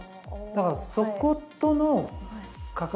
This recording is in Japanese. だからそことの関わり。